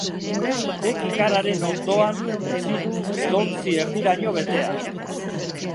Te kikararen ondoan utzi du edontzi erdiraino betea.